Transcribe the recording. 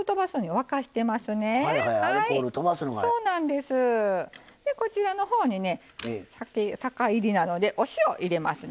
でこちらの方にね酒いりなのでお塩入れますね。